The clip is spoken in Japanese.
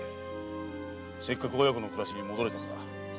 せっかく親子の暮らしに戻れたのだ。